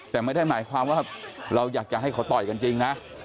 แต่ไม่ได้หมายความว่าเราอยากจะให้เขาต่อยกันจริงนะ